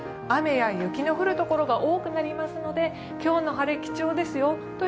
雨や雪の降る所が多くなりますので今日の晴れ、貴重ですよ。